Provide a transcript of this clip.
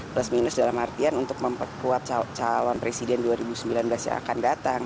plus minus dalam artian untuk memperkuat calon presiden dua ribu sembilan belas yang akan datang